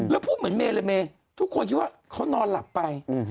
แล้วพูดเหมือนเมย์เลยเมย์ทุกคนคิดว่าเขานอนหลับไป